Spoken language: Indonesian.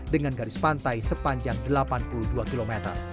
dengan garis pantai sepanjang delapan puluh dua km